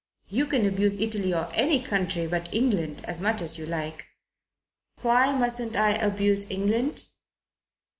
"You can abuse Italy or any country but England as much as you like." "Why mustn't I abuse England?"